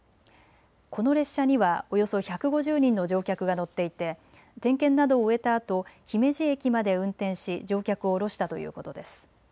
この列車には、およそ１５０人の乗客が乗っていて点検などを終えたあと姫路駅まで運転し乗客を降ろしたということです。